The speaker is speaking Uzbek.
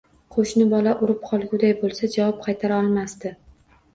Qo‘shni bola urib qolguday bo‘lsa, javob qaytara olmasdi.